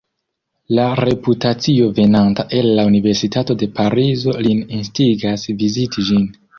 La reputacio venanta el la Universitato de Parizo lin instigas viziti ĝin.